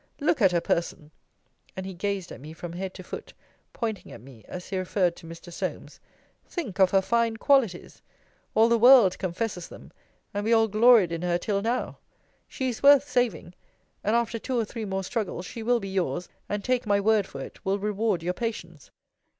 Look at her person! [and he gazed at me, from head to foot, pointing at me, as he referred to Mr. Solmes,] think of her fine qualities! all the world confesses them, and we all gloried in her till now. She is worth saving; and, after two or three more struggles, she will be yours, and take my word for it, will reward your patience.